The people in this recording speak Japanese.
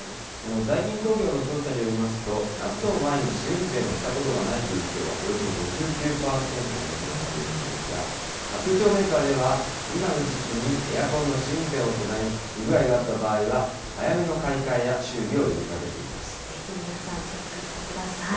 ダイキン工業の調査によりますと、夏を前に試運転をしたことがないという人がおよそ５９％に上ったということですが、空調メーカーでは、今の時期にエアコンの試運転を行い、不具合があった場合は、早めの買い替えや修理を呼びかけぜひ、皆さんチェックしてください。